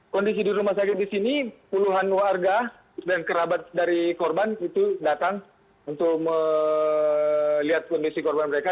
kondisi di rumah sakit di sini puluhan warga dan kerabat dari korban itu datang untuk melihat kondisi korban mereka